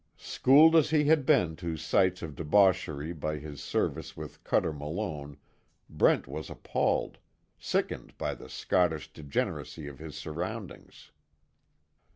Schooled as he had been to sights of debauchery by his service with Cuter Malone, Brent was appalled sickened by the sottish degeneracy of his surroundings.